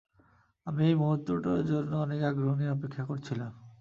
আমি এই মুহূর্তটার জন্য অনেক আগ্রহ নিয়ে অপেক্ষা করছিলাম।